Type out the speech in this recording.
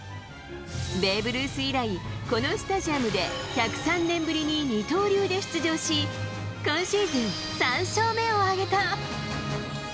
ベーブ・ルース以来、このスタジアムで１０３年ぶりに二刀流で出場し、今シーズン３勝目を挙げた。